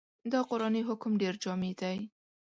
دا قرآني حکم ډېر جامع دی.